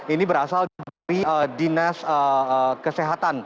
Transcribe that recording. ini berasal dari dinas kesehatan